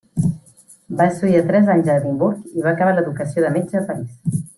Va estudiar tres anys a Edimburg i va acabar l'educació de metge a París.